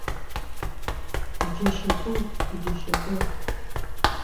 Иџьашьатәуп, иџьашьатәы!